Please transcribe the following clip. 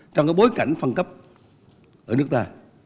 trong cái bối cảnh phân cấp ở nước ta